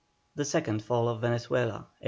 THE SECOND FALL OF VENEZUELA. 1814.